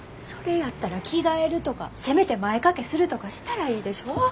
それやったら着替えるとかせめて前掛けするとかしたらいいでしょ！